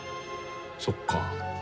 そっか。